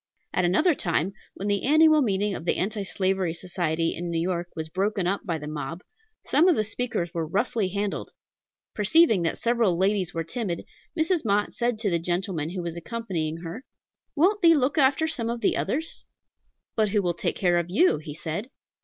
At another time, when the annual meeting of the Anti Slavery Society in New York was broken up by the mob, some of the speakers were roughly handled. Perceiving that several ladies were timid, Mrs. Mott said to the gentleman who was accompanying her, "Won't thee look after some of the others?" "But who will take care of you?" he said.